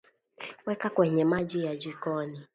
Weka kwenye maji ya jikoni